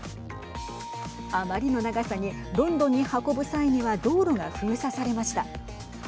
あまりの長さに、ロンドンに運ぶ際には道路が封鎖されました。